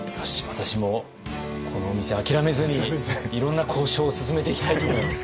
私もこのお店諦めずにいろんな交渉を進めていきたいと思います。